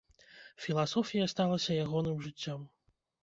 Філасофія сталася ягоным жыццём.